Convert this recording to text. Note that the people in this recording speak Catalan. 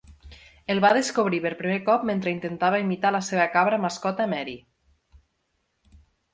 El va descobrir per primer cop mentre intentava imitar la seva cabra mascota Mary.